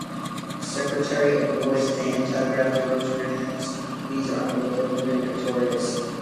Secretary Of War Stanton telegraphed Rosecrans, Lee's Army overthrown; Grant victorious.